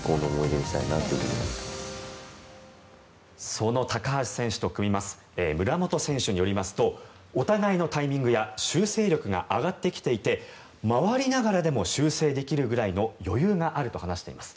その高橋選手と組みます村元選手によりますとお互いのタイミングや修正力が上がってきていて回りながらでも修正できるぐらいの余裕があると話しています。